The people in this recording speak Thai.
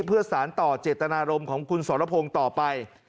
เพื่อสารต่อเจตนารมณ์ของคุณสรพงศ์ต่อไป